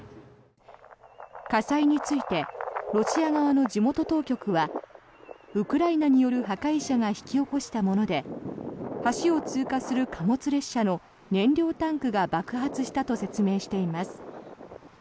火災についてロシア側の地元当局はウクライナによる破壊者が引き起こしたもので橋を通過する貨物列車の燃料タンクが爆発したと説明しています。